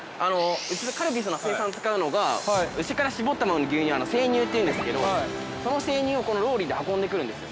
カルピスの生産に使うのが牛から搾ったままの牛乳、生乳って言うんですけど、その生乳をローリーで運んでくるんですよ。